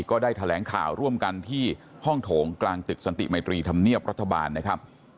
ก็ได้แถลงข่าวร่วมกันที่ห้องโถงกลางตึกสันติมัยตรีธรรมเนียบรัฐบาลนะครับ